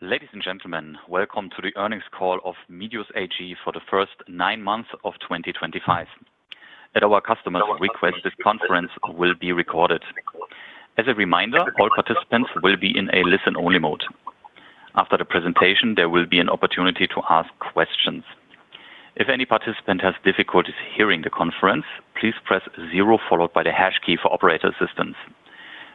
Ladies and gentlemen, welcome to the earnings call of Medios AG for the first nine months of 2025. At our customers' request, this conference will be recorded. As a reminder, all participants will be in a listen only mode. After the presentation, there will be an opportunity to ask questions. If any participant has difficulties hearing the conference, please press 0 followed by the hash key for operator assistance.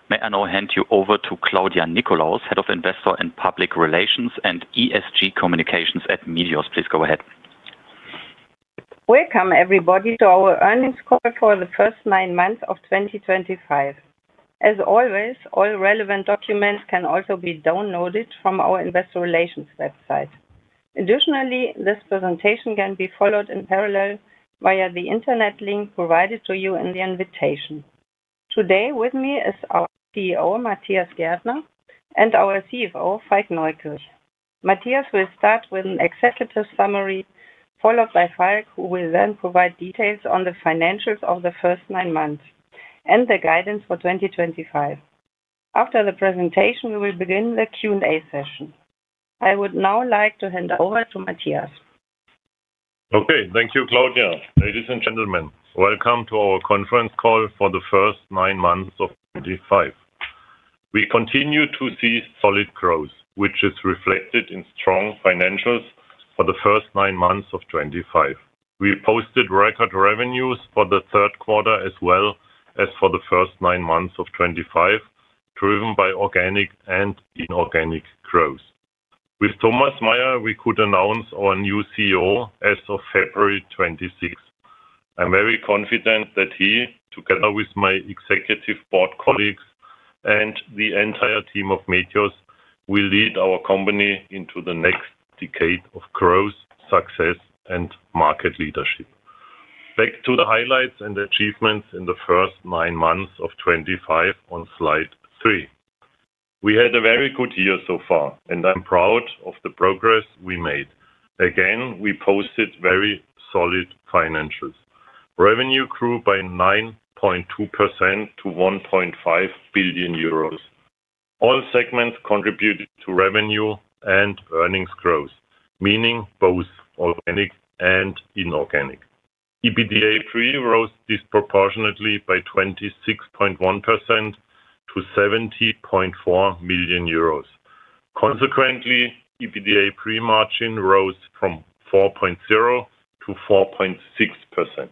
May I now hand you over to Claudia Nicolaus, Head of Investor Relations, Public Relations, and ESG Communications at Medios. Please go ahead. Welcome everybody to our earnings call for the first nine months of 2025. As always, all relevant documents can also be downloaded from our investor relations website. Additionally, this presentation can be followed in parallel via the Internet link provided to you in the invitation today. With me is our CEO Matthias Gärtner and our CFO Falk Neukirch. Matthias will start with an executive summary followed by Falk who will then provide details on the financials of the first nine months and the guidance for 2025. After the presentation, we will begin the Q and A session. I would now like to hand over to Matthias. Okay, thank you, Claudia. Ladies and gentlemen, welcome to our conference call. For the first nine months of 2025, we continue to see solid growth which is reflected in strong financials. For the first nine months of 2025, we posted record revenues for the third quarter as well as for the first nine months of 2025, driven by organic and inorganic growth. With Thomas Meyer, we could announce our new CEO as of February 2026. I'm very confident that he, together with my executive board colleagues and the entire team of Medios, will lead our company into the next decade of growth, success and market leadership. Back to the highlights and achievements in the first nine months of 2025. On slide 3. We had a very good year so far and I'm proud of the progress we made. Again, we posted very solid financials. Revenue grew by 9.2% to 1.5 billion euros. All segments contributed to revenue and earnings growth, meaning both organic and inorganic. EBITDA pre rose disproportionately by 26.1% to EUR 70.4 million. Consequently, EBITDA pre margin rose from 4.0% to 4.6%.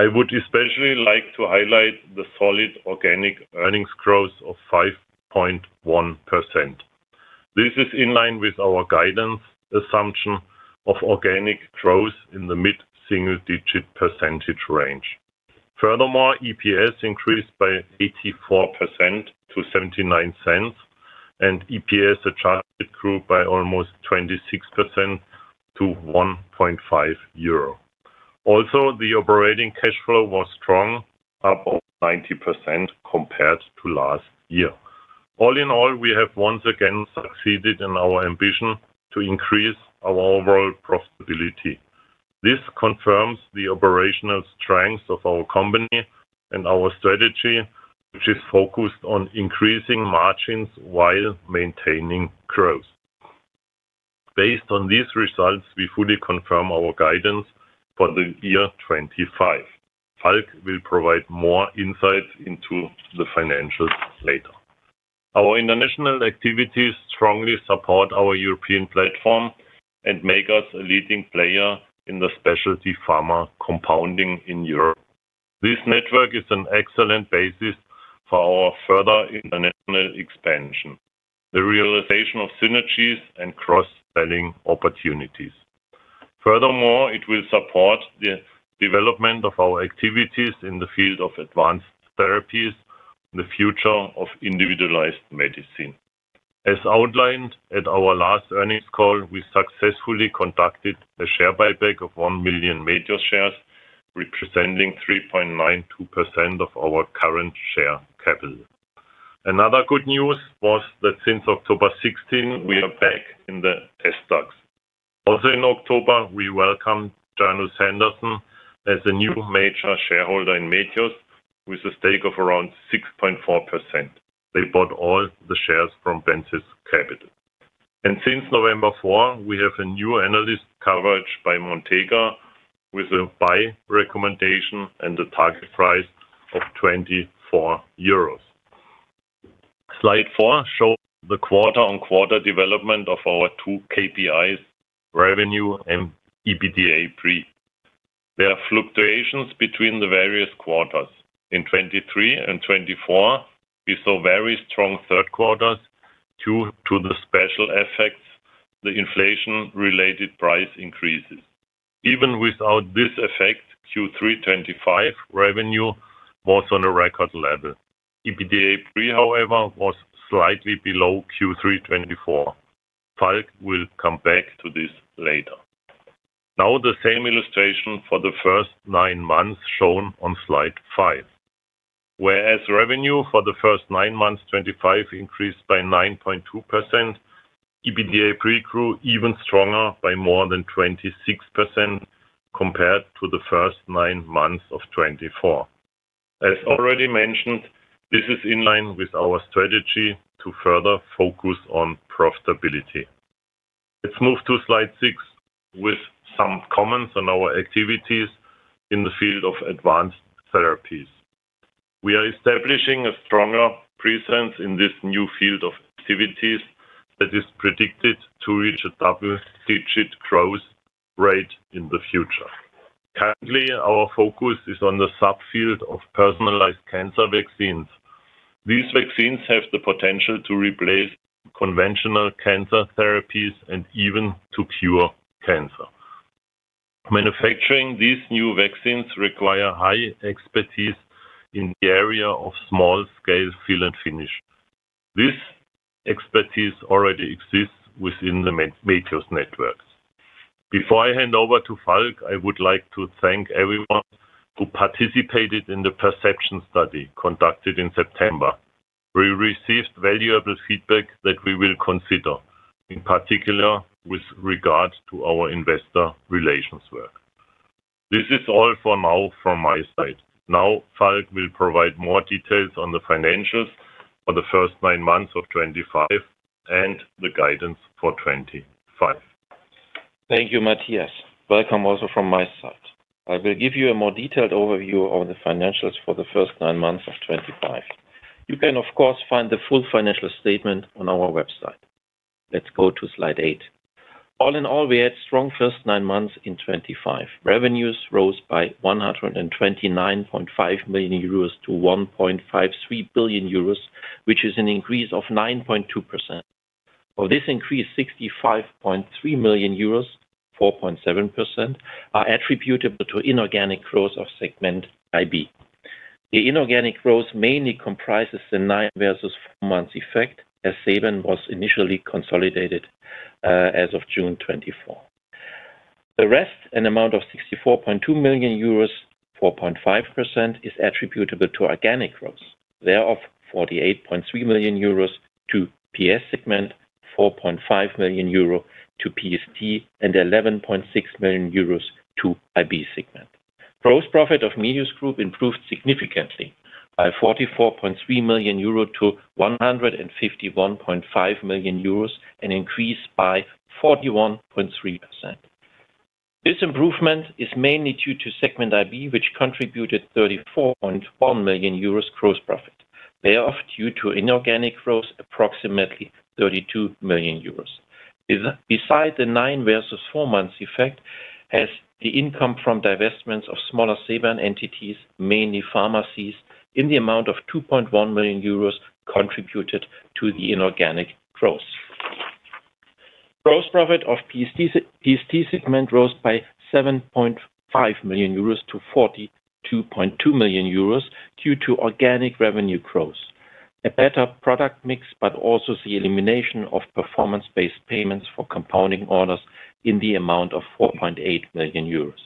I would especially like to highlight the solid organic earnings growth of 5.1%. This is in line with our guidance assumption of organic growth in the mid single digit percentage range. Furthermore, EPS increased by 84% to 0.79 and EPS adjusted grew by almost 26% to 1.5 euro. Also, the operating cash flow was strong, up 90% compared to last year. All in all, we have once again succeeded in our ambition to increase our overall profitability. This confirms the operational strength of our company and our strategy which is focused on increasing margins while maintaining growth. Based on these results, we fully confirm our guidance for the year. Falk will provide more insights into the financials later. Our international activities strongly support our European platform and make us a leading player in the specialty pharma compounding in Europe. This network is an excellent basis for our further international expansion, the realization of synergies and cross selling opportunities. Furthermore, it will support the development of our activities in the field of advanced therapies. The future of individualized medicine as outlined at our last earnings call, we successfully conducted a share buyback of 1 million shares representing 3.92% of our current share capital. Another good news was that since October 16th we are back in the ESTACS. Also in October we welcomed Janus Henderson as a new major shareholder in Medios with a stake of around 6.4%. They bought all the shares from Benzis Capital and since November 4th we have a new analyst coverage by Montega with a buy recommendation and the target price of 24 euros. Slide 4 shows the quarter on quarter development of our two KPIs revenue and EBITDA pre. There are fluctuations between the various quarters. In 2023 and 2024 we saw very strong third quarters due to the special effects, the inflation related price increases. Even without this effect, Q3 2025 revenue was on a record level. EBITDA pre however was slightly below Q3 2024. Falk will come back to this later. Now the same illustration for the first nine months shown on slide 5. Whereas revenue for the first nine months 2025 increased by 9.2%, EBITDA pre grew even stronger by more than 26% compared to the first nine months of 2024. As already mentioned, this is in line with our strategy to further focus on profitability. Let's move to slide 6 with some comments on our activities in the field of advanced therapies. We are establishing a stronger presence in this new field of activities that is predicted to reach a double-digit growth rate in the future. Currently our focus is on the subfield of personalized cancer vaccines. These vaccines have the potential to replace conventional cancer therapies and even to cure cancer. Manufacturing these new vaccines requires high expertise in the area of small-scale fill and finish. This expertise already exists within the Medios network. Before I hand over to Falk, I would like to thank everyone who participated in the perception study conducted in September. We received valuable feedback that we will consider in particular with regard to our investor relations work. This is all for now from my side. Now Falk will provide more details on the financials for the first nine months of 2025 and the guidance for 2025. Thank you, Matthias. Welcome. Also from my side, I will give you a more detailed overview of the financials for the first nine months of 2025. You can of course find the full financial statement on our website. Let's go to slide 8. All in all, we had strong first nine months. In 2025, revenues rose by 129.5 million euros to 1 point, which is an increase of 9.2%. Of this increase, 65.3 million euros are attributable to inorganic growth of segment IB. The inorganic growth mainly comprises the 9 versus 4 months effect as CEMA was initially consolidated as of June 2024, rest an amount of 64.2 million euros. 4.5% is attributable to organic growth, thereof 48.3 million euros to PS segment, 4.5 million euros to PST, and 11.6 million euros to IB segment. Gross profit of Medios group improved significantly by 44.3 million euros to 151.5 million euros, an increase by 41.3%. This improvement is mainly due to segment IB which contributed 34.1 million euros gross profit thereof due to inorganic growth approximately 32 million euros. Beside the nine versus four months effect, has the income from divestments of smaller CEMA entities, mainly pharmacies, in the amount of 2.1 million euros contributed to the inorganic gross profit of PST segment rose by 7.5 million euros to 42.2 million euros due to organic revenue growth. A better product mix but also the elimination of performance based payments for compounding orders in the amount of 4.8 million euros,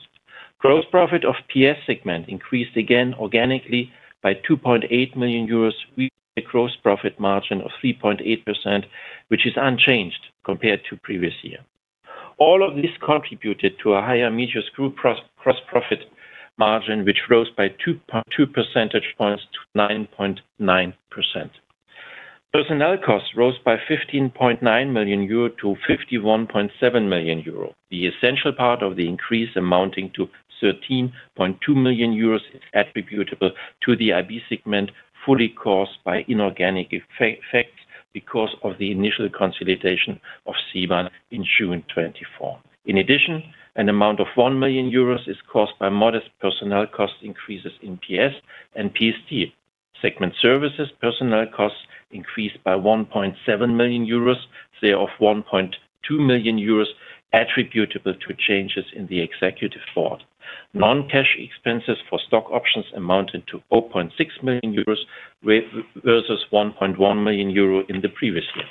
gross profit of PS segment increased again organically by 2.8 million euros, a gross profit margin of 3.8% which is unchanged compared to previous year. All of this contributed to a higher Medios Group gross profit margin which rose by 2.2 percentage points to 9.9%. Personnel costs rose by 15.9 million euro to 51.7 million euro. The essential part of the increase amounting to 13.2 million euros is attributable to the IB segment, fully caused by inorganic effects because of the initial consolidation of CEMA in June 2024. In addition, an amount of 1 million euros is caused by modest personnel cost increases in PS and PST segment services. Personnel costs increased by 1.7 million euros, thereof 1.2 million euros attributable to changes in the Executive Board. Non-cash expenses for stock options amounted to 0.6 million euros versus 1.1 million euro in the previous year.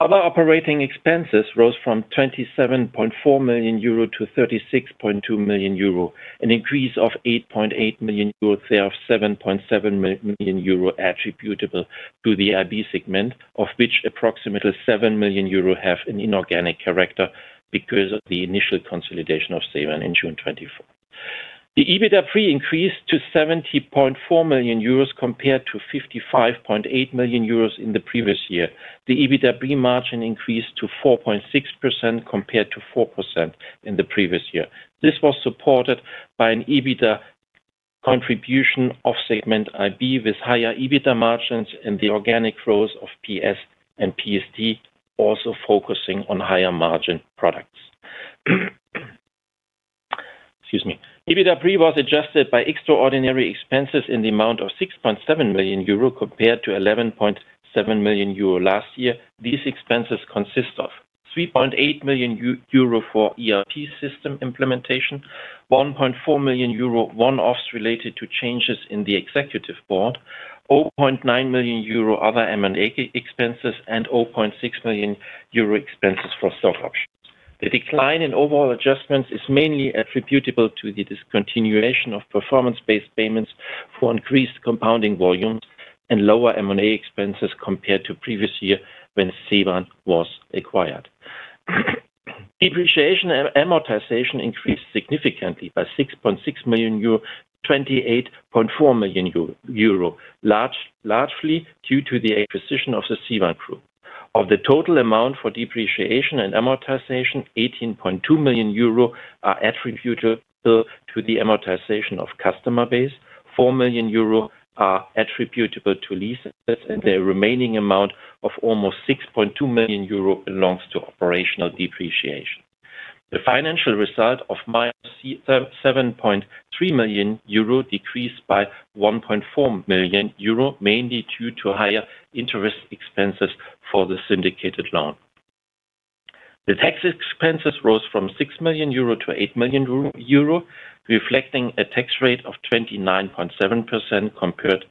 Other operating expenses rose from 27.4 million euro to 36.2 million euro, an increase of 8.8 million euro. Thereof 7.7 million euro attributable to the IB segment, of which approximately 7 million euro have an inorganic character. Because of the initial consolidation of the in June 2024 the EBITDA pre increased to 70.4 million euros compared to 55.8 million euros in the previous year. The EBITDA pre margin increased to 4.6% compared to 4% in the previous year. This was supported by an EBITDA contribution of segment IB with higher EBITDA margins and the organic growth of Ps and PST also focusing on higher margin products. Excuse me, EBITDA pre was adjusted by extraordinary expenses in the amount of 6.7 million euro compared to 11.7 million euro last year. These expenses consist of 3.8 million euro for ERP system implementation, 1.4 million euro one offs related to changes in the Executive Board, 0.9 million euro other M&A expenses and 0.6 million euro expenses for stock options. The decline in overall adjustments is mainly attributable to the discontinuation of performance-based payments for increased compounding volumes and lower MA expenses compared to previous year. When Sevan was acquired, depreciation amortization increased significantly by 6.6 million euro to 28.4 million euro largely due to the acquisition of the CEMA Group. Of the total amount for depreciation and amortization, 18.2 million euro are attributed to the amortization of customer base, 4 million euro are attributable to leases, and the remaining amount of almost 6.2 million euro belongs to operational depreciation. The financial result of minus 7.3 million euro decreased by 1.4 million euro mainly due to higher interest expenses for the syndicated loan. The tax expenses rose from 6 million euro to 8 million euro reflecting a tax rate of 29.7% compared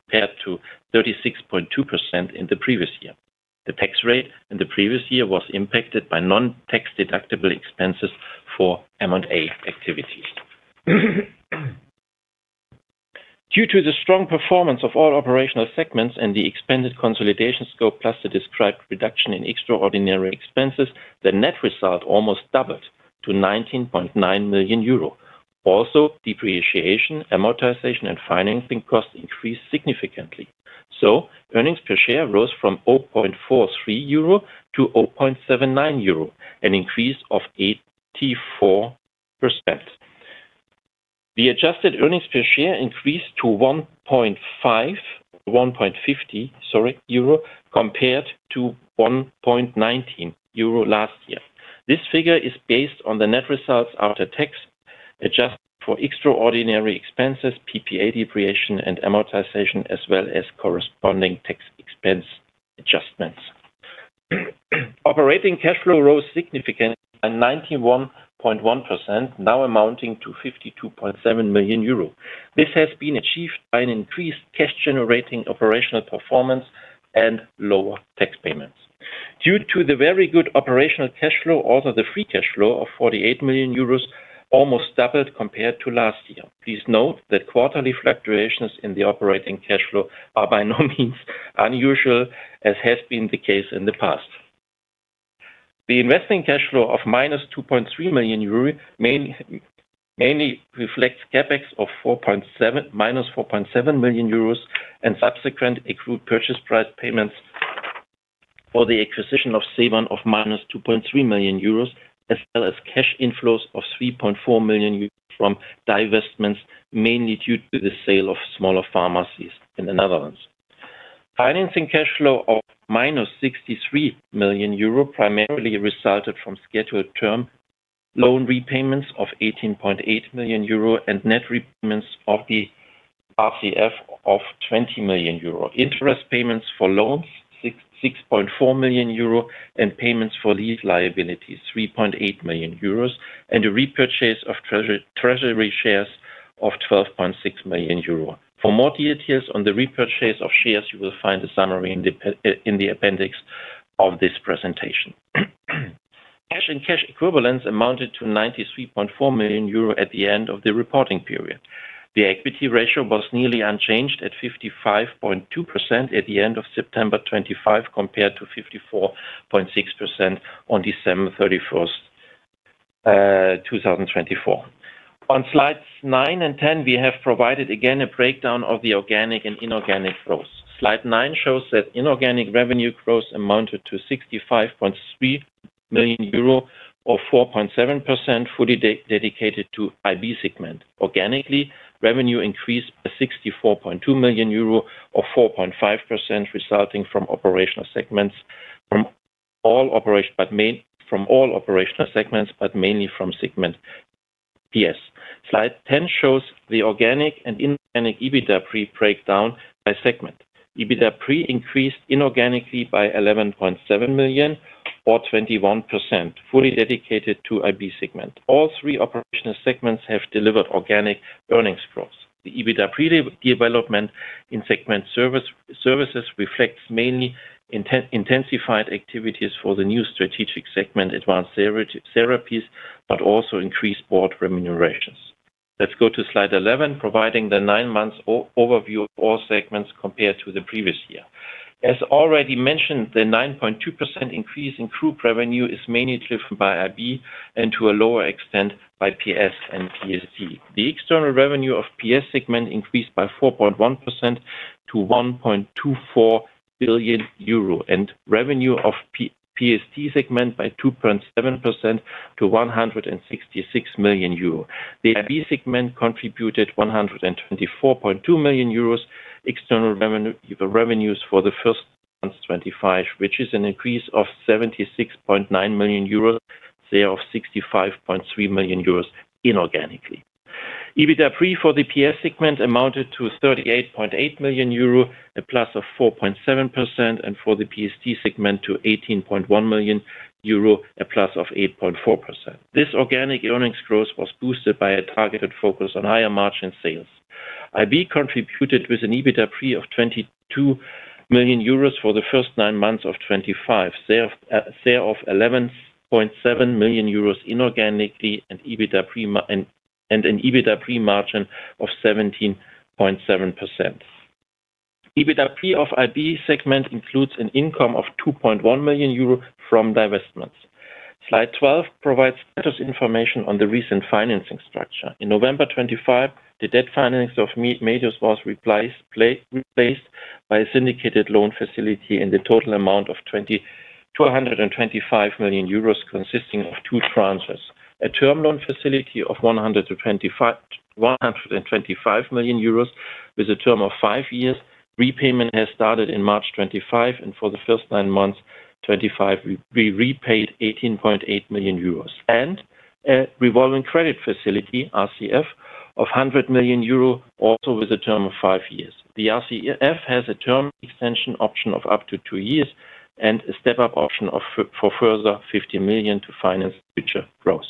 to 36.2% in the previous year. The tax rate in the previous year was impacted by non tax deductible expenses for M and A activities. Due to the strong performance of all operational segments and the expanded consolidation scope plus the described reduction in extraordinary expenses, the net result almost doubled to 19.9 million euro. Also, depreciation, amortization and financing costs increased significantly, so earnings per share rose from 0.43-0.79 euro, an increase of 84%. The adjusted earnings per share increased to 1.50 euro compared to 1.19 euro last year. This figure is based on the net results after tax adjusted for extraordinary expenses, PPA depreciation and amortization as well as corresponding tax expense adjustments. Operating cash flow rose significantly by 91.1%, now amounting to 52.2 million euro. This has been achieved by an increased cash generating operational performance and lower tax payments due to the very good operational cash flow. Also, the free cash flow of 48 million euros almost doubled compared to last year. Please note that quarterly fluctuations in the operating cash flow are by no means unusual as has been the case in the past. The investing cash flow of -2.3 million euro mainly reflects CapEx of -4.7 million euros and subsequent accrued purchase price payments for the acquisition of CEMA of -2.3 million euros as well as cash inflows of 3.4 million euros from divestments mainly due to the sale of smaller pharmacies in the Netherlands. Financing cash flow of -63 million euro primarily resulted from scheduled termination, loan repayments of 18.8 million euro and net repayments of the RCF of 20 million euro, interest payments for loans 6.4 million euro, and payments for lease liabilities 3.8 million euros, and a repurchase of treasury shares of 12.6 million euro. For more details on the repurchase of shares, you will find a summary in the appendix of this presentation. Cash and cash equivalents amounted to 93.4 million euro at the end of the reporting period. The equity ratio was nearly unchanged at 55.2% at the end of September 25th compared to 54.6% on December 31st, 2024. On slides 9 and 10 we have provided again a breakdown of the organic and inorganic growth. Slide 9 shows that inorganic revenue growth amounted to 65.3 million euro or 4.7% fully dedicated to IB segment. Organically revenue increased 64.2 million euro or 4.5% resulting from operational segments from all operational segments but mainly from Segment Yes. Slide 10 shows the organic and inorganic EBITDA pre breakdown by segment. EBITDA pre increased inorganically by 11.7 million or 21% fully dedicated to IB segment. All three operational segments have delivered organic earnings growth. The EBITDA pre development in segment services reflects mainly intensified activities for the new strategic segment advanced therapies but also increased board remunerations. Let's go to slide 11 providing the nine months overview of all segments compared to the previous year. As already mentioned, the 9.2% increase in group revenue is mainly driven by IB and to a lower extent by PS and PSD. The external revenue of PS segment increased by 4.1% to 1.24 billion euro and revenue of PST segment by 2.7% to 166 million euro. The IB segment contributed 124.2 million euros external revenues for the first month 2025 which is an increase of 76.9 million euros. Thereof 65.3 million euros inorganically. EBITDA pre for the PS segment amounted to 38.8 million euro, a plus of 4.7%, and for the PSD segment to 18.1 million euro, a plus of 8.4%. This organic earnings growth was boosted by a targeted focus on higher margin sales. IB contributed with an EBITDA pre of 22 million euros for the first nine months of 2025, share of 11.7 million euros inorganically, and an EBITDA pre margin of 17.7%. EBITDA pre of IB segment includes an income of 2.1 million euro from divestments. Slide 12 provides status information on the recent financing structure. In November 2025, the debt finance of Medios was replaced by a syndicated loan facility in the total amount of 225 million euros consisting of two tranches, a term loan facility of 125 million euros with a term of five years. Repayment has started in March 2025 and for the first nine months of 2025 we repaid 18.8 million euros and a revolving credit facility RCF of 100 million euro also with a term of five years. The RCF has a term extension option of up to two years and a step up option for further 50 million to finance future growth.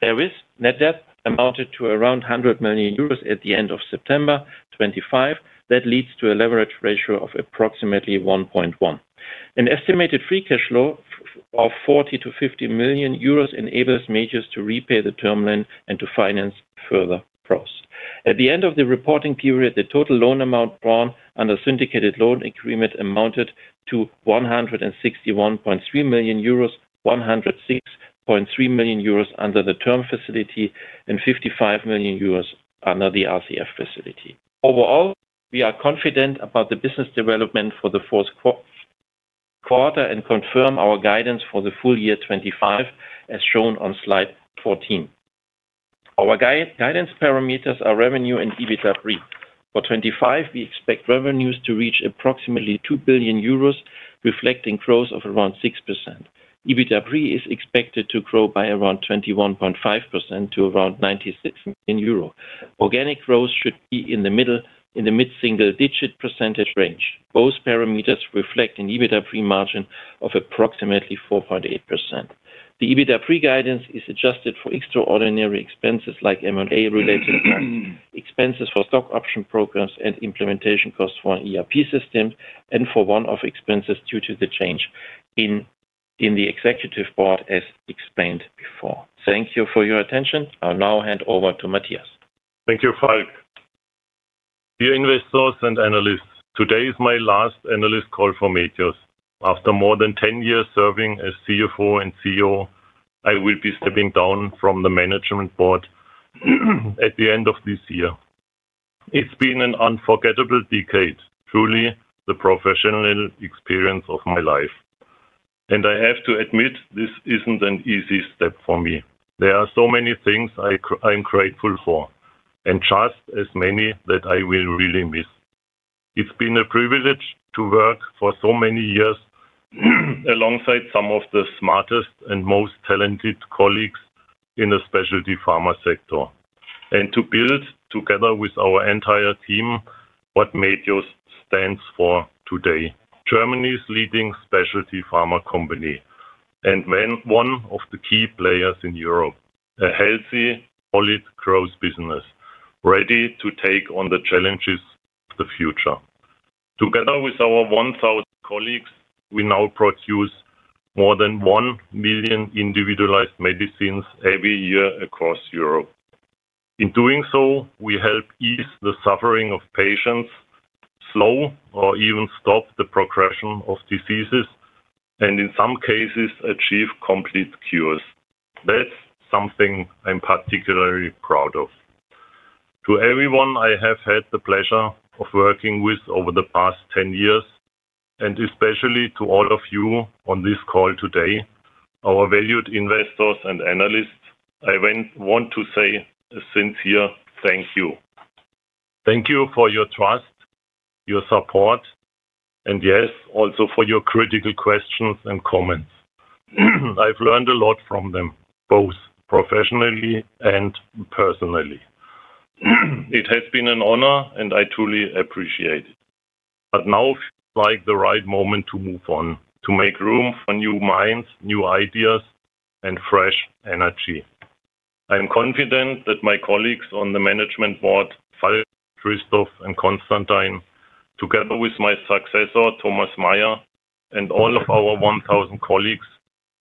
There is net debt amounted to around 100 million euros at the end of September 25th. That leads to a leverage ratio of approximately 1.1. An estimated free cash flow of 40-50 million euros enables Medios to repay the term loan and to finance further pros at the end of the reporting period. The total loan amount drawn under syndicated loan agreement amounted to 161.3 million euros, 106.3 million euros under the term facility and 55 million euros under the RCF facility. Overall, we are confident about the business development for the fourth quarter and confirm our guidance for the full year 2025. As shown on slide 14, our guidance parameters are revenue and EBITDA pre for 2025. We expect revenues to reach approximately 2 billion euros, reflecting growth of around 6%. EBITDA pre is expected to grow by around 21.5% to around 96 million euro. Organic growth should be in the mid single digit percentage range. Both parameters reflect an EBITDA pre margin of approximately 4.8%. The EBITDA pre guidance is adjusted for extraordinary expenses like M&A, related expenses for stock option programs and implementation costs for ERP systems, and for one off expenses due to the change in the Executive Board as explained before. Thank you for your attention. I'll now hand over to Matthias. Thank you, Falk. Dear investors and analysts, today is my last analyst call for Matthias. After more than 10 years serving as CFO and CEO, I will be stepping down from the Management Board at the end of this year. It's been an unforgettable decade, truly the professional experience of my life, and I have to admit this isn't an easy step for me. There are so many things I'm grateful for and just as many that I will really miss. It's been a privilege to work for so many years alongside some of the smartest and most talented colleagues in the specialty pharma sector and to build together with our entire team what Medios stands for today. Germany's leading specialty pharma company and one of the key players in Europe. A healthy, solid, growth business ready to take on the challenges of the future. Together with our 1,000 colleagues, we now produce more than 1 million individualized medicines every year across Europe. In doing so, we help ease the suffering of patients, slow or even stop the progression of diseases, and in some cases achieve complete cures. That is something I am particularly proud of. To everyone I have had the pleasure of working with over the past 10 years, and especially to all of you on this call today, our valued investors and analysts, I want to say a sincere thank you. Thank you for your trust, your support, and yes, also for your critical questions and comments. I have learned a lot from them, both professionally and personally. It has been an honor and I truly appreciate it. Now feels like the right moment to move on, to make room for new minds, new ideas, and fresh energy. I am confident that my colleagues on the Management Board, Christoph and Constantine, together with my successor, Thomas Meyer, and all of our 1,000 colleagues,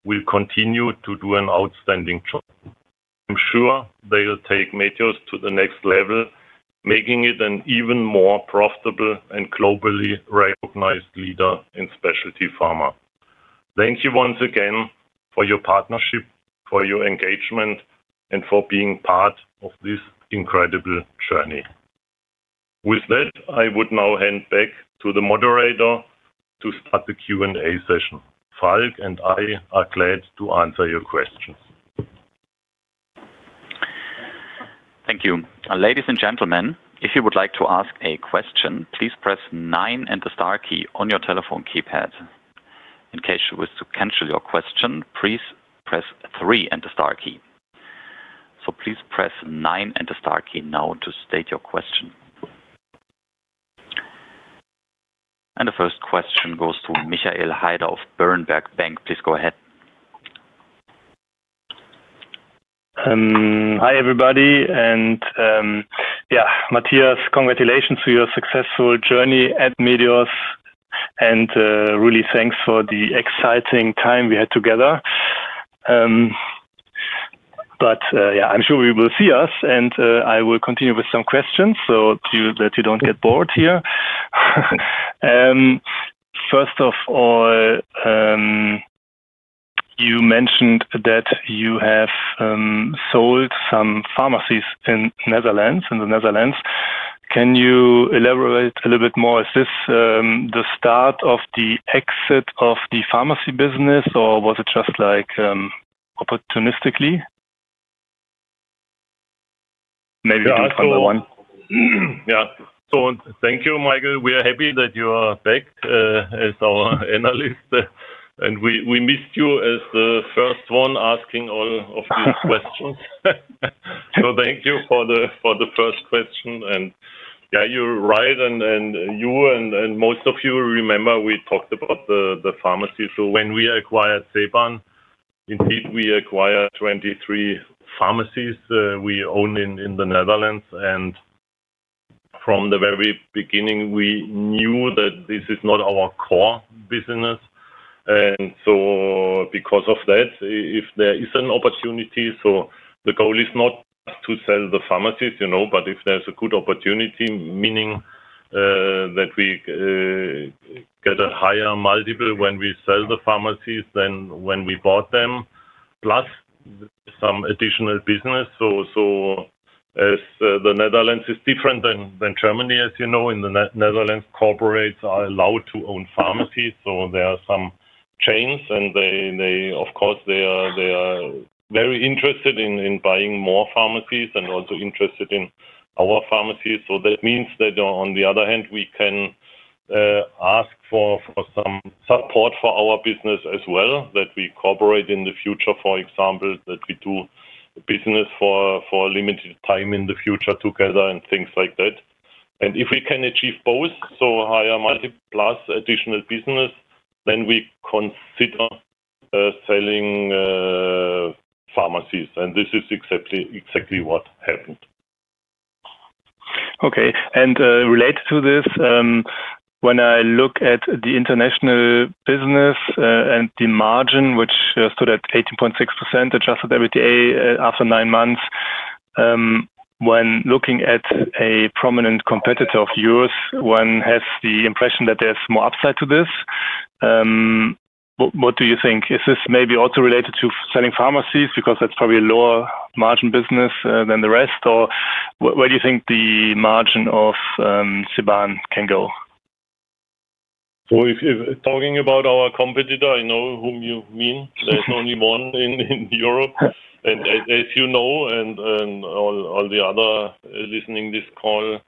will continue to do an outstanding job. I'm sure they will take Medios to the next level, making it an even more profitable and globally recognized leader in specialty pharma. Thank you once again for your partnership, for your engagement, and for being part of this incredible journey. With that, I would now hand back to the moderator to start the Q and A session. Falk and I are glad to answer your questions. Thank you. Ladies and gentlemen, if you would like to ask a question, please press 9 and the star key on your telephone keypad. In case you wish to cancel your question, please press 3 and the star key. Please press 9 and the star key now to state your question. The first question goes to Michael Haider of Berenberg Bank. Please go ahead. Hi, everybody. Yeah, Matthias, congratulations to your successful journey at Medios and really thanks for the exciting time we had together. Yeah, I'm sure you will see us. I will continue with some questions so that you don't get bored here. First of all, you mentioned that you have sold some pharmacies in the Netherlands. Can you elaborate a little bit more? Is this the start of the exit of the pharmacy business or was it just like opportunistically maybe? Yeah. Thank you, Michael. We are happy that you are back as our analyst and we missed you as the first one asking all of these questions. Thank you for the first question. Yeah, you're right. You and most of you remember, we talked about the pharmacy. When we acquired CEMA, indeed, we acquired 23 pharmacies we own in the Netherlands. From the very beginning, we knew that this is not our core business. Because of that, if there is an opportunity, the goal is not to sell the pharmacies, you know, but if there's a good opportunity, meaning that we get a higher multiple when we sell the pharmacies than when we bought them, plus some additional business. The Netherlands is different than Germany. As you know, in the Netherlands, corporates are allowed to own pharmacies. There are some chains, and of course, they are very interested in buying more pharmacies and also interested in our pharmacies. That means that on the other hand, we can ask for some support for our business as well, that we cooperate in the future, for example, that we do business for a limited time in the future together and things like that. If we can achieve both, so hire multiple plus additional business, then we consider selling pharmacies. This is exactly what happened. Okay. Related to this, when I look at the international business and the margin which stood at 18.6% adjusted EBITDA after nine months, when looking at a prominent competitor of yours, one has the impression that there's more upside to this. What do you think? Is this maybe also related to selling pharmacies? Because that's probably a lower margin business than the rest. Where do you think the margin of Seban can go? Talking about our competitor, I know whom you mean. There's only one in Europe. As you know and all the others listening to this call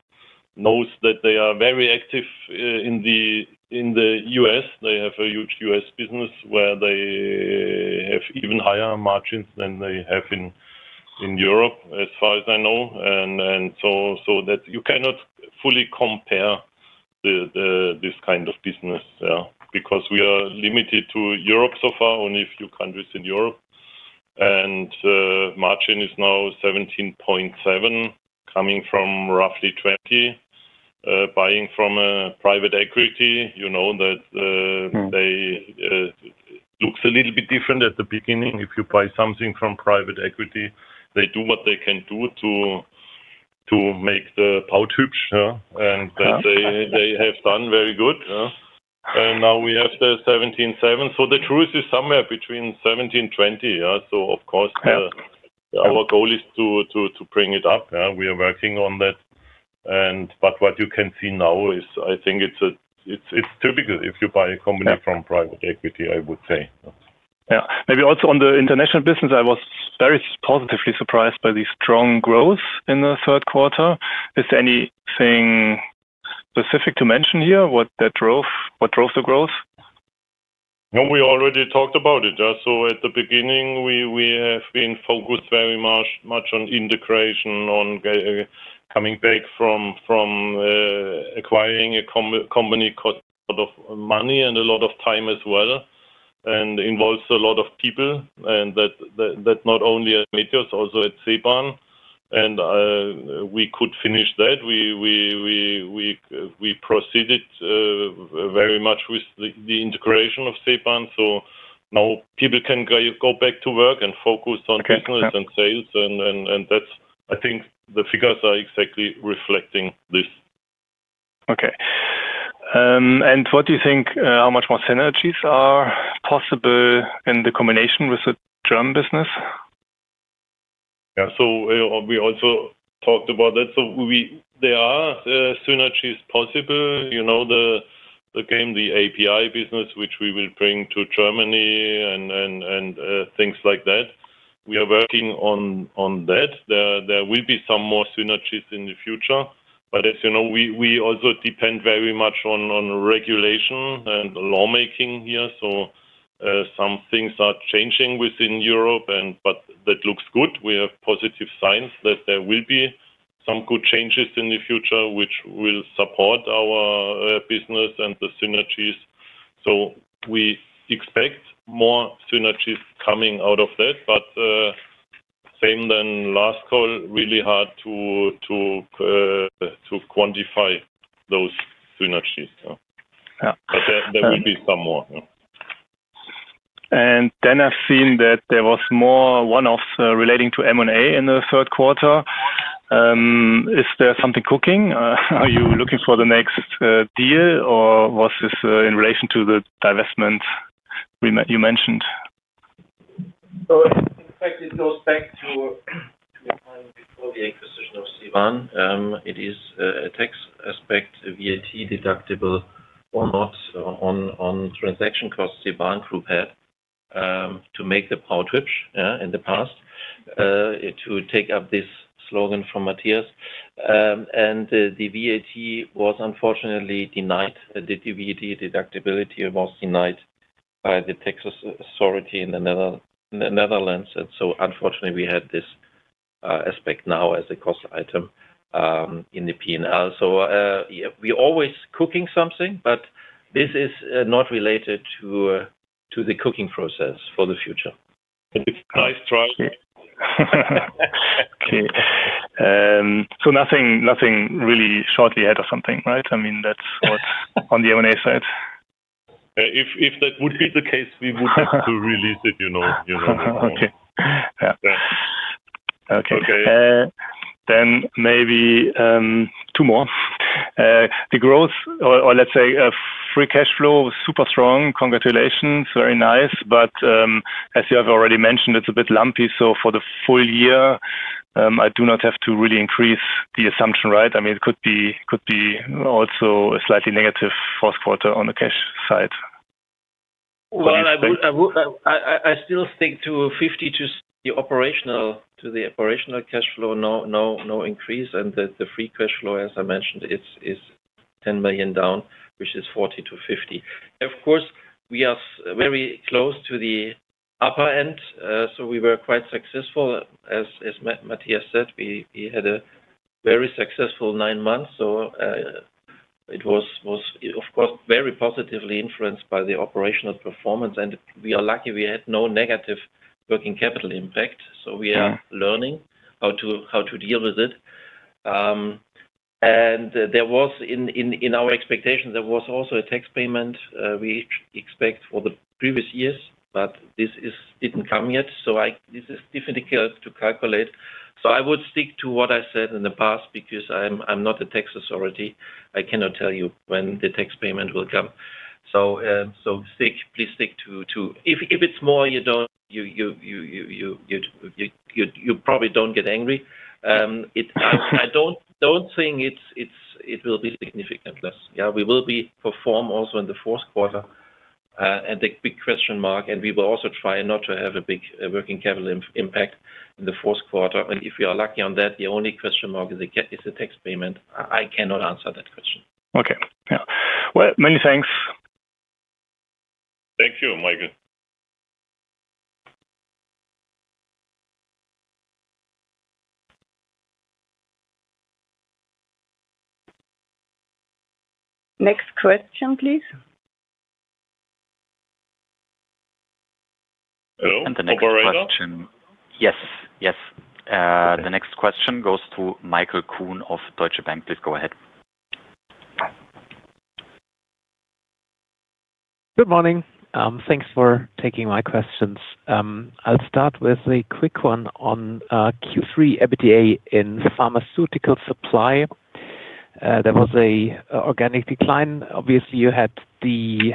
know, they are very active in the U.S. They have a huge U.S. business where they have even higher margins than they have in Europe as far as I know. You cannot fully compare this kind of business because we are limited to Europe, so far only a few countries in Europe, and margin is now 17.7. Coming from roughly 20. Buying from a private equity, you know that they look a little bit different at the beginning. If you buy something from private equity, they do what they can do to make the pouch hoops and they have done very good. Now we have the 17.7. The truth is somewhere between 17-20. Of course our goal is to bring it up. We are working on that. What you can see now is I think it's typical if you buy a company from private equity. I would say maybe also on the international business. I was very positively surprised by the. Strong growth in the third quarter. Is there anything specific to mention here? What drove the growth? We already talked about it. At the beginning we have been focused very much on integration, on coming back from acquiring a company. Cost of money and a lot of time as well, and involves a lot of people. That not only at Medios, also at CEMA. We could finish that. We proceeded very much with the integration of CEMA. Now people can go back to work and focus on business and sales. I think the figures are exactly reflecting this. Okay, and what do you think how much more synergies are possible in the combination with the CEMA business? We also talked about that. There are synergies possible. You know the game, the API business, which we will bring to Germany and things like that. We are working on that. There will be some more synergies in the future. As you know, we also depend very much on regulation and lawmaking here. Some things are changing within Europe, but that looks good. We have positive signs that there will be some good changes in the future which will support our business and the synergies. We expect more synergies coming out of that. Same than last call. Really hard to quantify those synergies. There will be some more. I've seen that there was more one-offs relating to M&A in the third quarter. Is there something cooking? Are you looking for the next deal or was this in relation to the divestment you mentioned? In fact, it goes back to before the acquisition of CEMA. It is a tax aspect, VAT deductible or not on transaction costs. The Bahn group had to make the power trips in the past to take up this slogan from Matthias. The VAT was unfortunately denied, the VAT deductibility was denied by the tax authority in the Netherlands. Unfortunately, we had this aspect now as a cost item in the P and L. We are always cooking something, but this is not related to the cooking process for the future. Nice try. Nothing really shortly ahead of something. Right? I mean that's what on the M&A side. If that would be the case, we would have to release it, you know. Okay. Okay, then maybe two more. The growth, or let's say free cash flow was super strong. Congratulations. Very nice. As you have already mentioned, it's a bit lumpy. For the full year I do not have to really increase the assumption. Right? I mean, it could be, could be. Also a slightly negative fourth quarter on the cash side. I still stick to 50 to the operational, to the operational cash flow, no increase. The free cash flow, as I mentioned, is 10 million down, which is 40-50 million. Of course, we are very close to the upper end. We were quite successful, as Matthias said, we had a very successful nine months. It was of course very positively influenced by the operational performance. We are lucky we had no negative working capital impact. We are learning how to deal with it. In our expectation, there was also a tax payment we expect for the previous years, but this did not come yet. This is difficult to calculate. I would stick to what I said in the past because I am not a tax authority. I cannot tell you when the tax payment will come. Please stick to. If it's more. You don't. You probably don't get angry. I don't think it will be significant. We will perform also in the fourth quarter, and the big question mark. We will also try not to have a big working capital impact in the fourth quarter. If we are lucky on that, the only question mark is the taxpayer payment. I cannot answer that question. Okay, many thanks. Thank you, Michael. Next question, please. Yes, yes, the next question goes to Michael Kuhn of Deutsche Bank. Please go ahead. Good morning. Thanks for taking my questions. I'll start with a quick one on Q3. EBITDA. In pharmaceutical supply there was an organic decline. Obviously you had the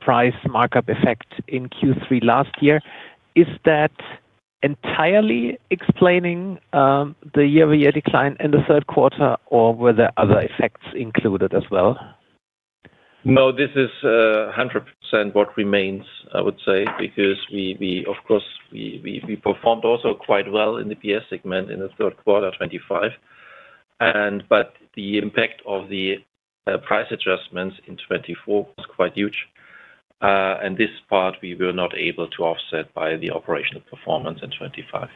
price markup effect in Q3 last year. Is that entirely explaining the year-over-year decline in the third quarter or were there other effects included as well? No, this is 100% what remains I would say because of course we performed also quite well in the BS segment in the third quarter 2025 but the impact of the price adjustments in 2024 was quite huge and this part we were not able to offset by the operational performance in 2025.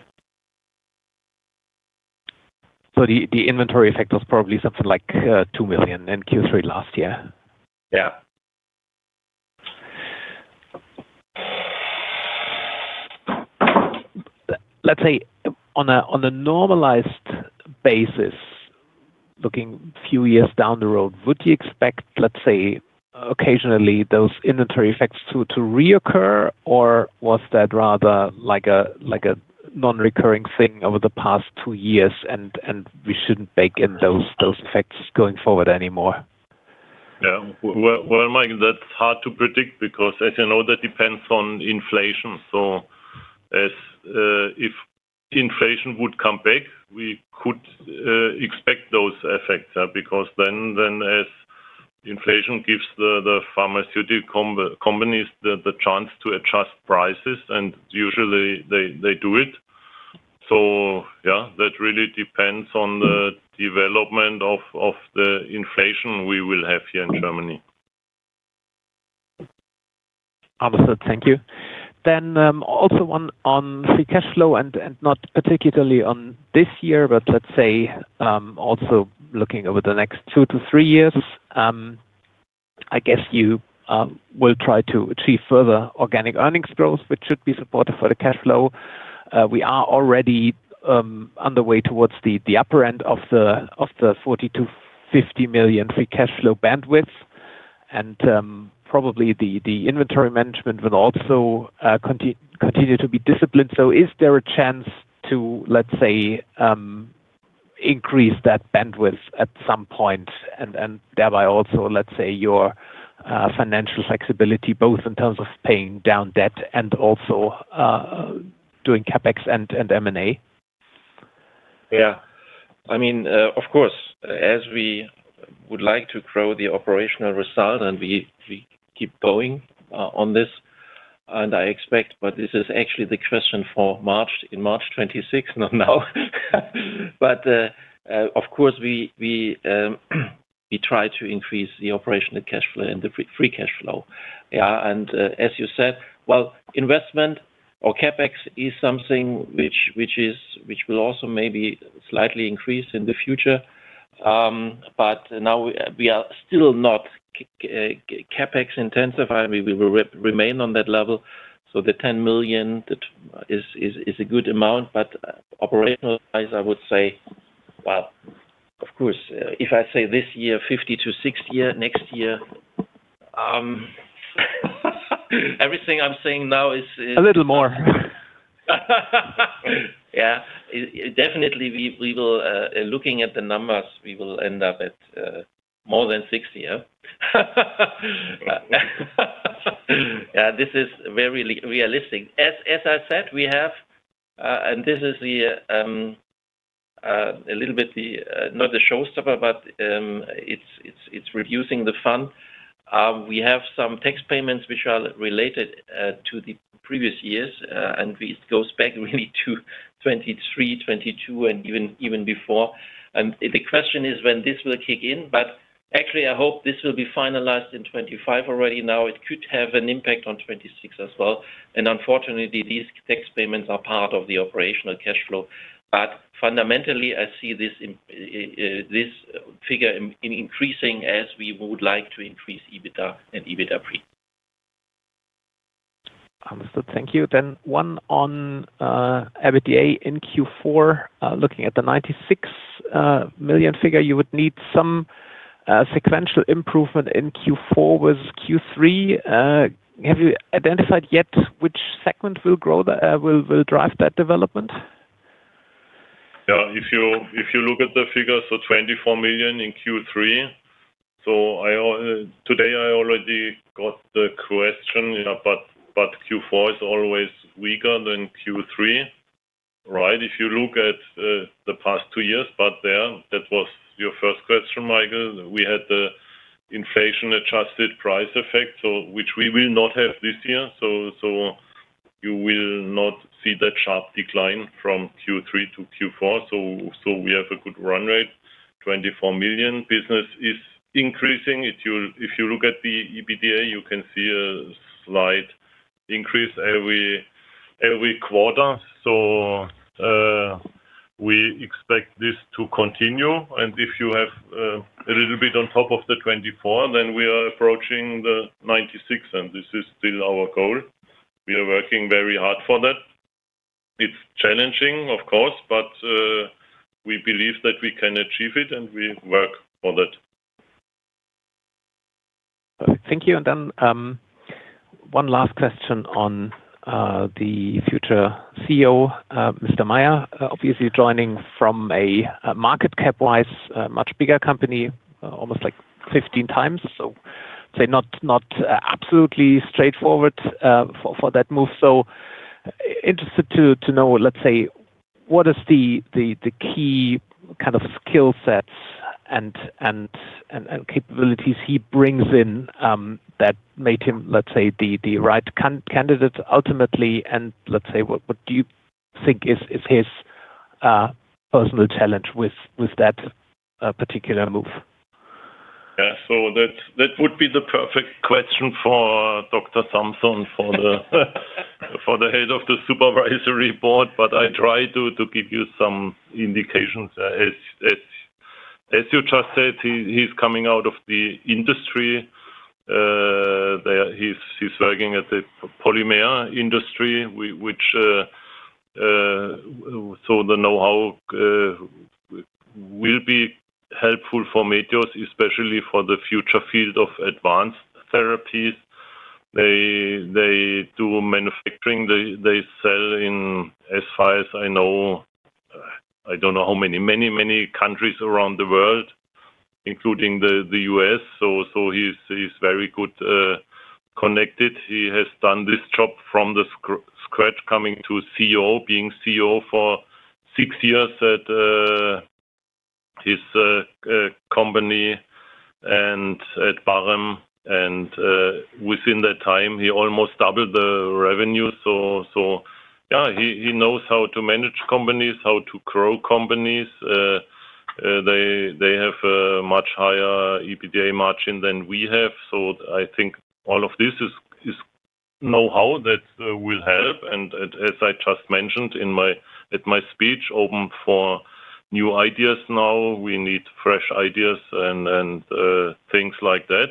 The inventory effect was probably something like 2 million in Q3 last year. Yeah. Let's say on a normalized basis looking few years down the road, would you expect, let's say, occasionally those inventory effects to reoccur or was that rather like a non-recurring thing over the past two years and we shouldn't bake in those effects going forward anymore? Mike, that's hard to predict because as you know that depends on inflation. If inflation would come back we could expect those effects because then as inflation gives the pharmaceutical companies the chance to adjust prices and usually they do it. Yeah, that really depends on the development of the inflation we will have here in Germany. Understood, thank you. Then also one on free cash flow and not particularly on this year, but let's say also looking over the next two to three years I guess you will try to achieve further organic earnings growth which should be supportive for the cash flow. We are already on the way towards the upper end of the 40 million-50 million free cash flow bandwidth and probably the inventory management will also continue to be disciplined. Is there a chance to let's say increase that bandwidth at some point and thereby also let's say your financial flexibility both in terms of paying down debt and also doing CapEx and M&A. Yeah, I mean of course as we would like to grow the operational result and we keep going on this and I expect. This is actually the question for March in March 2026, not now. Of course we try to increase the operational cash flow and the free cash flow and as you said, investment or CapEx is something which will also maybe slightly increase in the future but now we are still not CapEx intensified, we will remain on that level. The 10 million is a good amount but operational I would say. If I say this year 50-60, next year everything I'm saying now is a little more. Yeah, definitely we will, looking at the numbers we will end up at more than 60. This is very realistic. As I said we have and this is a little bit not the showstopper, but it's reducing the function. We have some tax payments which are related to the previous years and it goes back really to 2023, 2022 and even before. The question is when this will kick in. Actually I hope this will be finalized in 2025 already. Now it could have an impact on 2026 as well. Unfortunately these tax payments are part of the operational cash flow. Fundamentally I see this figure increasing as we would like to increase EBITDA and EBITDA pre. Understood, thank you. One on EBITDA in Q4, looking at the 96 million figure, you would need some sequential improvement in Q4 with Q3. Have you identified yet which segment will grow, will drive that development? If you look at the figure, 24 million in Q3. Today I already got the question. Q4 is always weaker than Q3, right, if you look at the past two years. That was your first question, Michael. We had the inflation-adjusted price effect, which we will not have this year. You will not see that sharp decline from Q3 to Q4. We have a good run rate, 24 million, business is increasing. If you look at the EBITDA, you can see a slight increase every quarter. We expect this to continue. If you have a little bit on top of the 24 million, then we are approaching the 96 million, and this is still our goal. We are working very hard for that. It is challenging, of course, but we believe that we can achieve it and we work for that. Thank you. One last question on the future CEO, Mr. Meyer. Obviously joining from a market cap wise, much bigger company, almost like 15 times. Not absolutely straightforward for that move. Interested to know, let's say, what is the key kind of skill sets and capabilities he brings in that made him, let's say, the right candidate ultimately? And let's say, what do you think is his personal challenge with that particular move? That would be the perfect question for Dr. Samson, for the Head of the Supervisory Board. I try to give you some indications. As you just said, he's coming out of the industry, he's working at the polymer industry, which, so the know-how will be helpful for Medios, especially for the future field of advanced therapies. They do manufacturing, they sell in, as far as I know, I don't know how many countries around the world, including the U.S. He's very well connected. He has done this job from scratch, coming to CEO, being CEO for six years at his company and at Bahram, and within that time he almost doubled the revenue. He knows how to manage companies, how to grow companies. They have a much higher EBITDA margin than we have. I think all of this is know-how that will help. As I just mentioned in my speech, open for new ideas now. We need fresh ideas and things like that.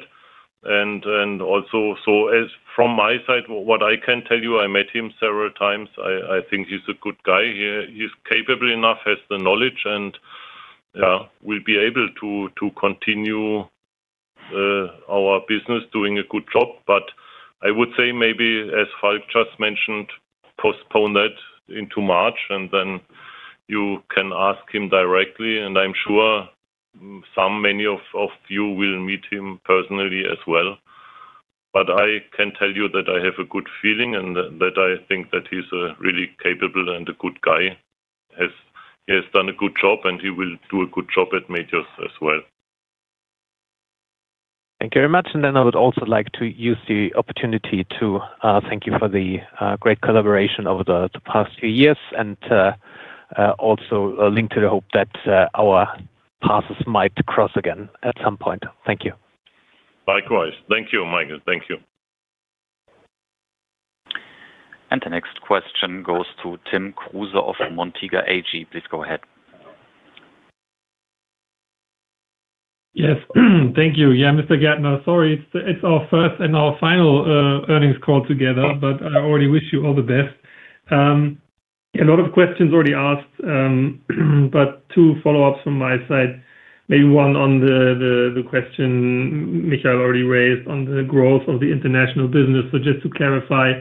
Also, from my side, what I can tell you, I met him several times. I think he's a good guy, he's capable enough, has the knowledge and will be able to continue our business doing a good job. I would say maybe as Falk just mentioned, postpone that into March and then you can ask him directly. I'm sure many of you will meet him personally as well. I can tell you that I have a good feeling and that I think that he's a really capable and a good guy. He has done a good job and he will do a good job at Medios as well. Thank you very much. I would also like to use the opportunity to thank you for the great collaboration over the past few years and also link that to the hope that our paths might cross again at some point. Thank you. Likewise. Thank you, Michael. Thank you. The next question goes to Tim Kruse of Montega AG. Please go ahead. Yes, thank you. Yeah, Mr. Gärtner, sorry, it's our first and our final earnings call together but I already wish you all the best. A lot of questions already asked, but two follow ups from my side, maybe one on the question Michael already raised on the growth of the international business. Just to clarify,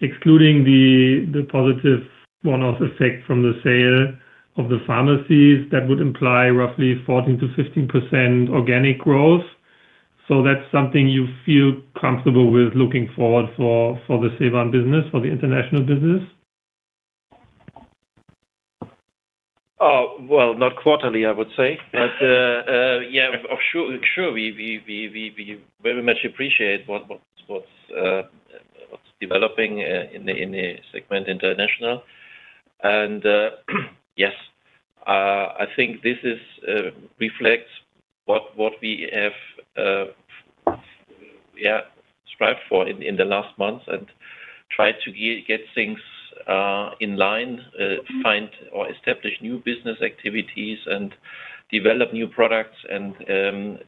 excluding the positive one off effect from the sale of the pharmacies, that would imply roughly 14-15% organic growth. That is something you feel comfortable with looking forward for the CEMA business, for the international business? Not quarterly I would say, but yeah, sure, we very much appreciate what's developing in the segment international. Yes, I think this reflects what we have strived for in the last months and tried to get things in line, find or establish new business activities and develop new products, and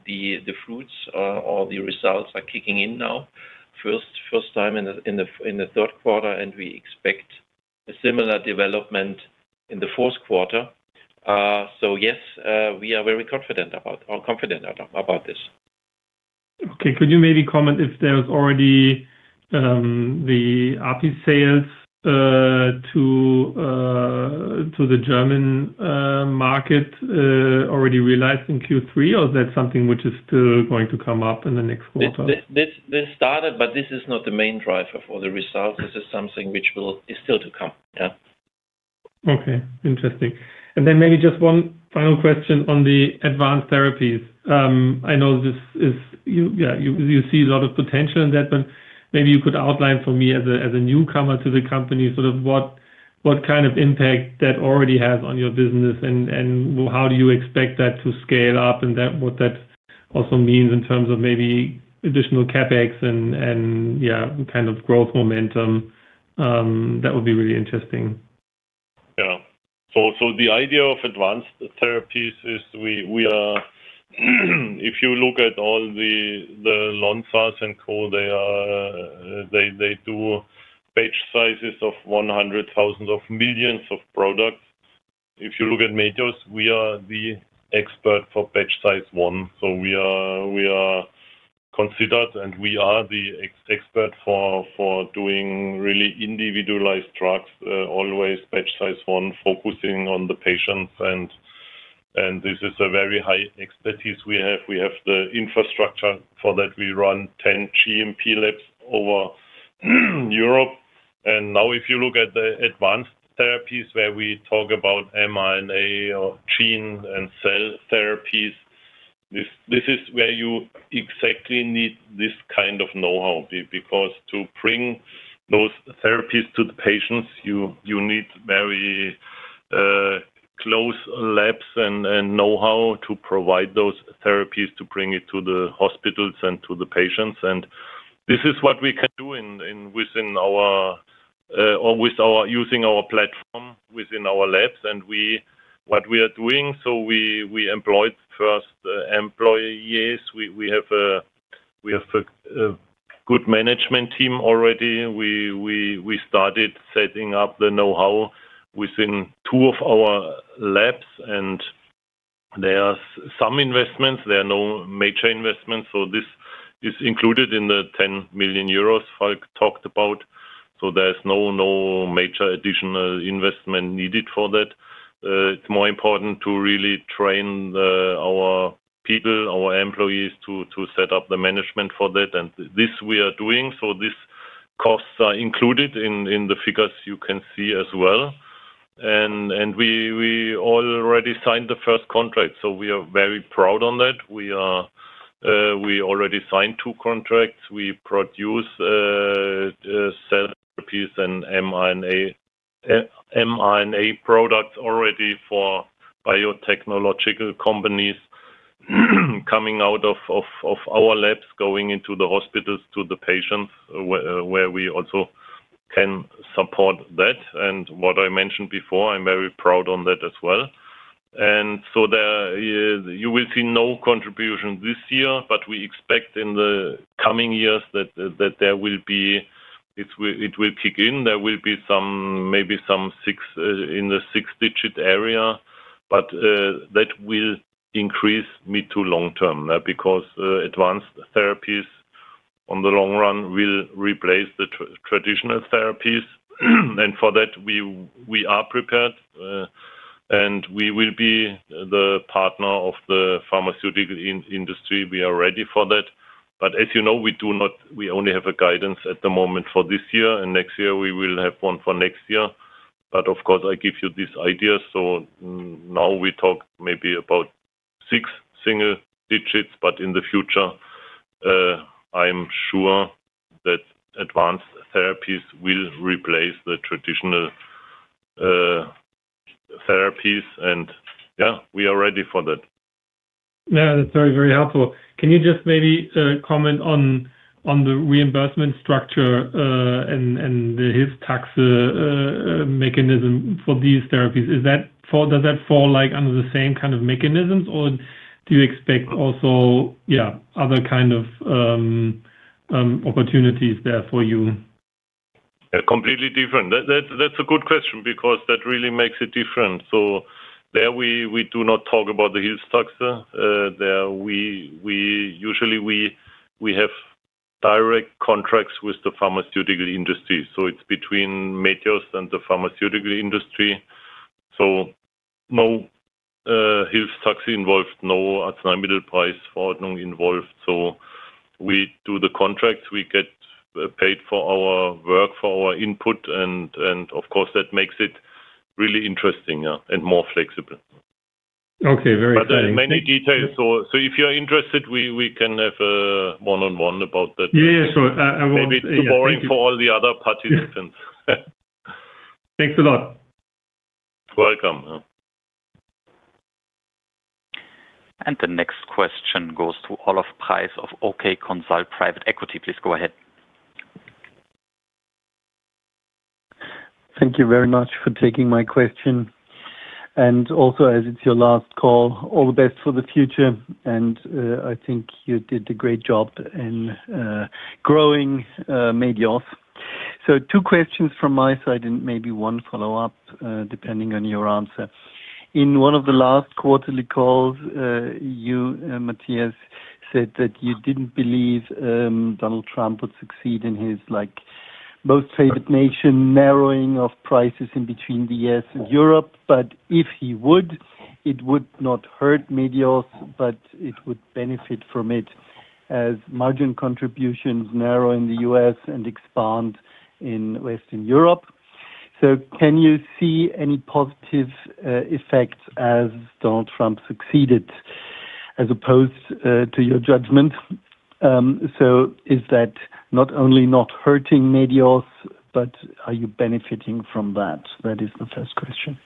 the fruits or the results are kicking in now. First time in the third quarter, and we expect a similar development in the fourth quarter. Yes, we are very confident about this. Okay. Could you maybe comment if there was already the RP sales to the German market already realized in Q3, or is that something which is still going to come up in the next quarter? This started, but this is not the main driver for the result. This is something which is still to come. Yeah. Okay, interesting. Maybe just one final question on the advanced therapies. I know this is, you see a lot of potential in that, but maybe you could outline for me as a newcomer to the company, sort of what kind of impact that already has on your business and how you expect that to scale up and what that also means in terms of maybe additional CapEx and, yeah, kind of growth momentum. That would be really interesting. Yeah. The idea of advanced therapies is we are, if you look at all the Lonsas and Co, they do batch sizes of 100 thousands of millions of products. If you look at Medios, we are the expert for batch size one. We are considered and we are the expert for doing really individualized drugs, always batch size one, focusing on the patients. This is a very high expertise we have. We have the infrastructure for that. We run ten GMP labs over Europe. Now if you look at the advanced therapies, where we talk about mRNA or gene and cell therapies, this is where you exactly need this kind of know-how because to bring those therapies to the patients, you need very close labs and know-how to provide those therapies to bring it to the hospitals and to the patients. This is what we can do within our, or with our, using our platform within our labs and what we are doing. We employed first employees, we have a good management team already. We started setting up the know-how within two of our labs. There are some investments, there are no major investments. This is included in the 10 million euros Falk talked about. There is no major additional investment needed for that. It is more important to really train our people, our employees, to set up the management for that. This we are doing. These costs are included in the figures you can see as well. We already signed the first contract, we are very proud of that. We already signed two contracts. We produce mRNA products already for biotechnological companies coming out of our labs, going into the hospitals to the patients, where we also can support that. What I mentioned before, I'm very proud on that as well. You will see no contribution this year, but we expect in the coming years that it will kick in. There will be some, maybe some six in the six-digit area, but that will increase mid to long term because advanced therapies on the long run will replace the traditional therapies. For that we are prepared and we will be the partner of the pharmaceutical industry. We are ready for that. As you know, we only have a guidance at the moment for this year and next year. We will have one for next year. Of course I give you this idea. Now we talk maybe about six single digits. But in the future I'm sure that advanced therapies will replace the traditional therapies. And yeah, we are ready for that. Yeah, that's very, very helpful. Can you just maybe comment on the reimbursement structure and his tax mechanism for these therapies? Does that fall under the same kind of mechanisms or do you expect also other kind of opportunities there for you? Completely different. That's a good question because that really makes it different. There we do not talk about the Hilfstaxe. There, usually we have direct contracts with the pharmaceutical industry. It is between Matthias and the pharmaceutical industry. No Hilfstaxe involved, no middle price involved. We do the contracts, we get paid for our work, for our input. Of course, that makes it really interesting and more flexible. Okay, very good. Many details. If you're interested we can have one on one about that. Yeah. So boring. For all the other parties. Thanks a lot. Welcome. The next question goes to Olaf Preiss of okconsult Private Equity. Please go ahead. Thank you very much for taking my question and also as it's your last call, all the best for the future and I think you did a great job in growing Medios. Two questions from my side and maybe one follow up depending on your answer. In one of the last quarterly calls you, Matthias, said that you didn't believe Donald Trump would succeed in his like most favored nation narrowing of prices in between the U.S. and Europe. If he would, it would not hurt Medios, but it would benefit from it as margin contributions narrow in the U.S. and expand in Western Europe. Can you see any positive effects as Donald Trump succeeded as opposed to your judgment? Is that not only not hurting Medios, but are you benefiting from that? That is the first question.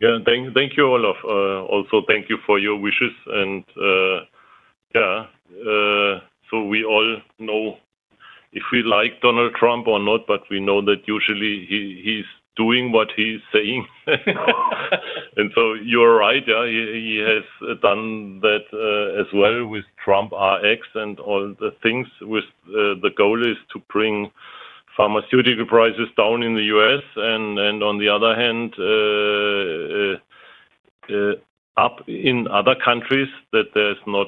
Thank you, Olaf. Also thank you for your wishes. Yeah, we all know if we like Donald Trump or not, but we know that usually he is doing what he is saying. You are right, he has done that as well with Trump RX and all the things with the goal to bring pharmaceutical prices down in the U.S. and on the other hand. Up. In other countries that there's not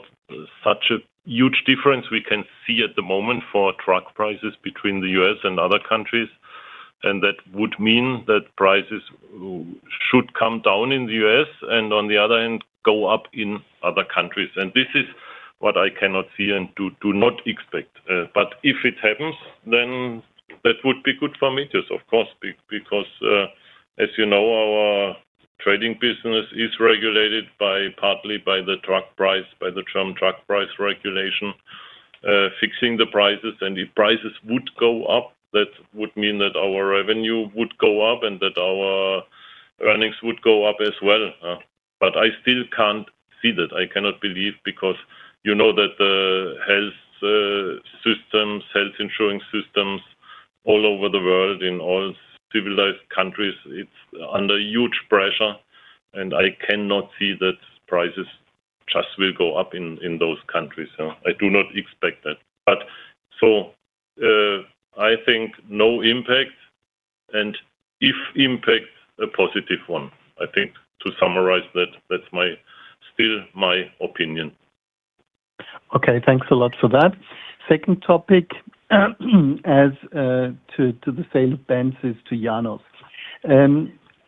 such a huge difference, we can see at the moment for truck prices between the U.S. and other countries. That would mean that prices should come down in the U.S. and on the other end go up in other countries. This is what I cannot see and do not expect. If it happens, that would be good for Medios, of course, because as you know, our trading business is regulated partly by the truck price, by the term truck price regulation, fixing the prices. If prices would go up, that would mean that our revenue would go up and that our earnings would go up as well. I still can't see that. I cannot believe, because you know that the health systems, health insurance systems all over the world, in all civilized countries, it's under huge pressure and I cannot see that prices just will go up in those countries. I do not expect that. I think no impact and if impact a positive one. I think to summarize that that's still my opinion. Okay, thanks a lot for that. Second topic as to the sale of Benzis to Janus.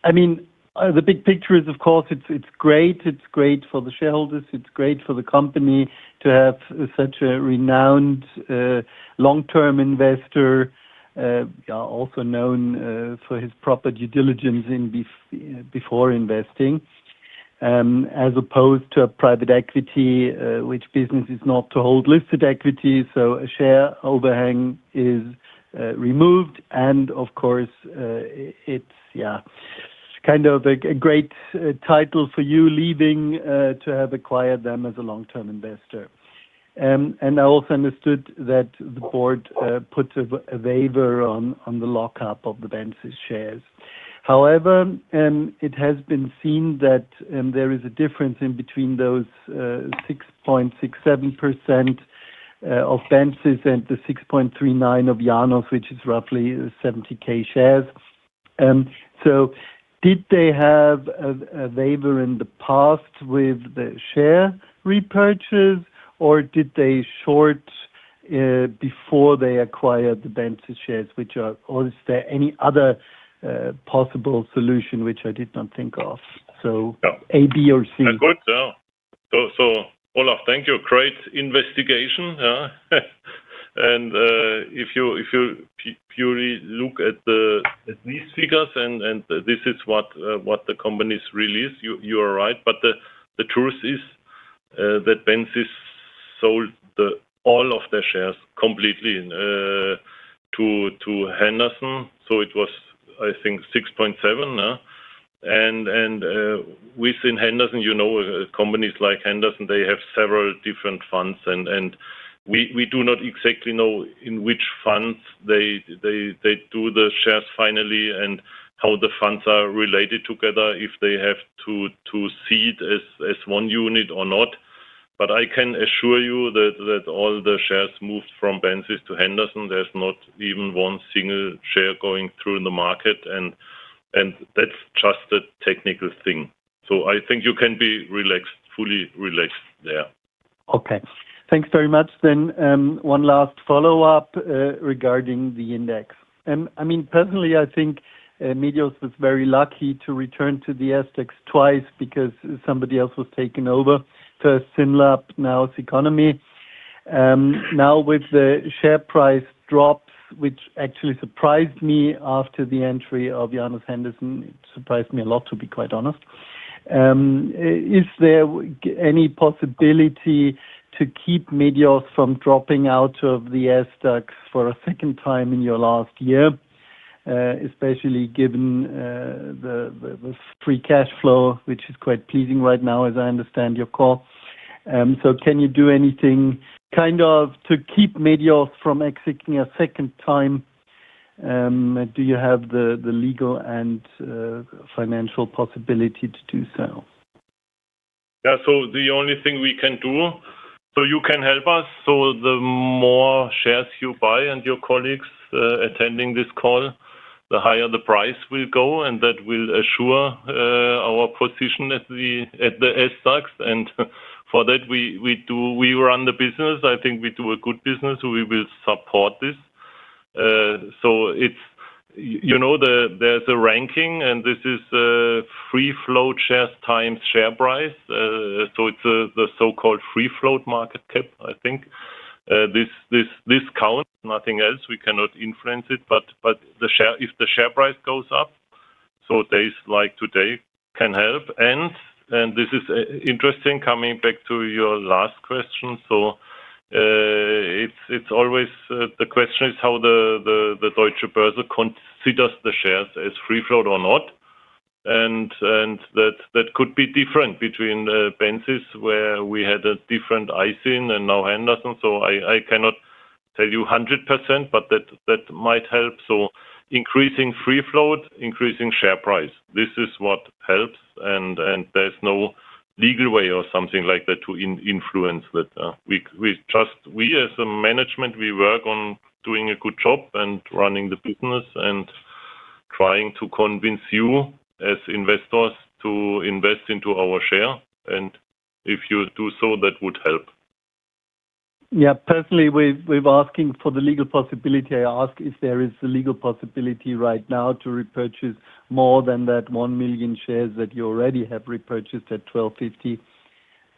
I mean the big picture is of course it's great, it's great for the shareholders. It's great for the company to have such a renowned long term investor, also known for his proper due diligence before investing as opposed to a private equity, which business is not to hold listed equities. A share overhang is removed. Of course it's kind of a great title for you leaving to have acquired them as a long term investor. I also understood that the board put a waiver on the lockup of the Benzis shares. However, it has been seen that there is a difference in between those 6.67% of Benzis and the 6.39% of Janus, which is roughly 70,000 shares. Did they have a waiver in the past with the share repurchase, or did they short before they acquired the Benzis shares, which are? Or is there any other possible solution which I did not think of. A, B or C. Olaf, thank you, great investigation. If you purely look at these figures and this is what the companies release, you are right, but the truth is that Benzis sold all of their shares completely to Janus Henderson. It was, I think, 6.7%. Within Janus Henderson, you know, companies like Janus Henderson, they have several different funds and we do not exactly know in which funds they do the shares finally and how the funds are related together, if they have to see it as one unit or not. I can assure you that all the shares moved from Benzis to Janus Henderson. There is not even one single share going through in the market, and that is just a technical thing. I think you can be relaxed, fully relaxed there. Okay, thanks very much. Then one last follow up regarding the index. I mean personally I think Medios was very lucky to return to the SDAX twice because somebody else was taken over, to Synlab. Now's economy now with the share price drops, which actually surprised me after the entry of Janus Henderson. It surprised me a lot to be quite honest. Is there any possibility to keep Medios from dropping out of the SDAX for a second time in the last year? Especially given the free cash flow, which is quite pleasing right now as I understand your call. Can you do anything kind of to keep Medios from exiting a second time? Do you have the legal and financial possibility to do so? Yeah, so the only thing we can do so you can help us. The more shares you buy and your colleagues attending this call, the higher the price will go and that will assure our position at the estacation. For that we do, we run the business. I think we do a good business. We will support this. You know, there's a ranking and this is free float shares times share price. It's the so-called free float market cap. I think this counts, nothing else, we cannot influence it. If the share price goes up, days like today can help. This is interesting coming back to your last question. It's always the question is how the Deutsche Börse considers the shares as free float or not, and that could be different between Benzis where we had a different ISIN and now Henderson. I cannot tell you 100%, but that might help. Increasing free float, increasing share price, this is what helps. There's no legal way or something like that to influence that. We as a management, we work on doing a good job and running the business and trying to convince you as investors to invest into our share. If you do so, that would help. Yeah, personally we've been asking for the legal possibility. I ask if there is a legal possibility right now to repurchase more than that 1 million shares that you already have repurchased at 12.50.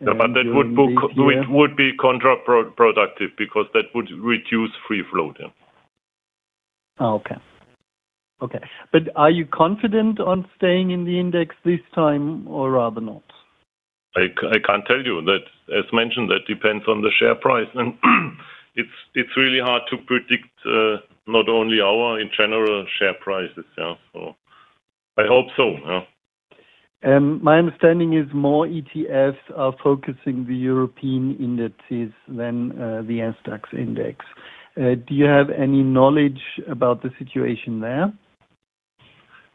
It would be counterproductive because that would reduce free floating. Okay, okay. Are you confident on staying in the index this time or rather not? I can't tell you that. As mentioned, that depends on the share price and it's really hard to predict not only our in general share prices. I hope so. My understanding is more ETFs are focusing the European indexes than the N Stacks index. Do you have any knowledge about the situation there?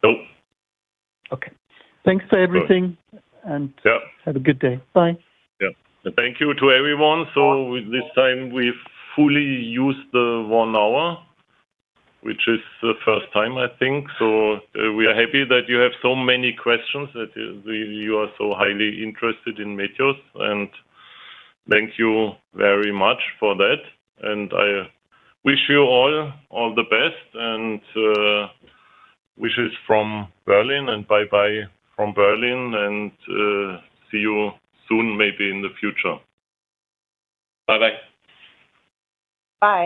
Nope. Okay, thanks for everything and have a good day. Bye. Thank you to everyone. This time we fully use the one hour, which is the first time I think. We are happy that you have so many questions, that you are so highly interested in Medios, and thank you very much for that. I wish you all the best and wishes from Berlin and bye bye from Berlin and see you soon maybe in the future. Bye bye.